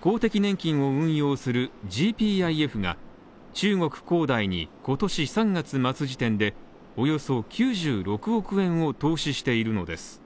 公的年金を運用するＧＰＩＦが中国恒大に今年３月末時点でおよそ９６億円を投資しているのです。